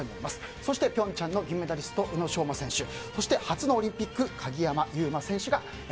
そして平昌の銀メダリスト宇野昌磨選手そして初のオリンピック鍵山優真選手。